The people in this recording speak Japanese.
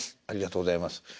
ありがとうございます。